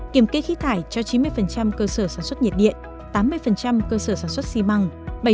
kiểm kê khí thải cho chín mươi cơ sở sản xuất nhiệt điện tám mươi cơ sở sản xuất xi măng